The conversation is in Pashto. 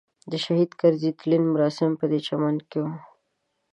د شهید کرزي تلین مراسم پدې چمن کې وو.